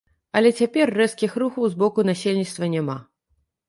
Але цяпер рэзкіх рухаў з боку насельніцтва няма.